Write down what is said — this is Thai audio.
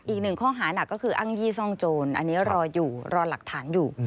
อีกหนึ่งข้อหานักก็คืออ้างยี่ซ่องโจรอันนี้รออยู่รอหลักฐานอยู่